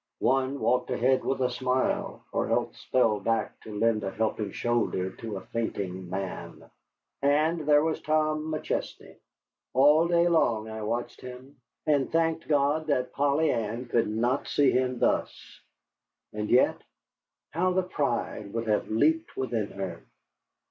One walked ahead with a smile, or else fell back to lend a helping shoulder to a fainting man. And there was Tom McChesney. All day long I watched him, and thanked God that Polly Ann could not see him thus. And yet, how the pride would have leaped within her!